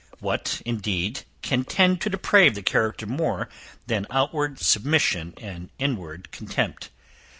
What, indeed, can tend to deprave the character more than outward submission and inward contempt?